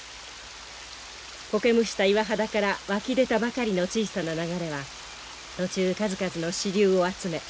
苔むした岩肌から湧き出たばかりの小さな流れは途中数々の支流を集め